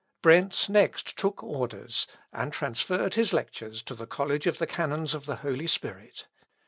Brentz next took orders, and transferred his lectures to the college of the Canons of the Holy Spirit.